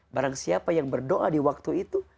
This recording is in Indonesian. barang siapa yang berdoa di waktu itu